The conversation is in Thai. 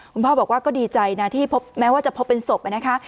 คุณพ่อบอกว่าก็ดีใจนะที่พบแม้ว่าจะพบเป็นศพนะคะ